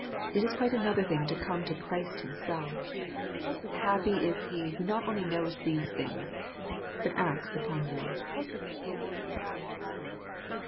It is quite another thing to come to Christ Himself. Happy. is he who not only knows these things, but acts upon them